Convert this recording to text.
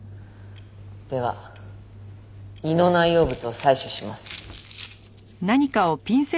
では胃の内容物を採取します。